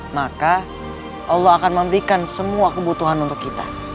maka allah akan menghentikan semua kebutuhan untuk kita